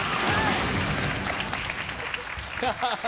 ハハハ